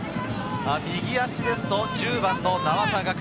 右足ですと１０番・名和田我空。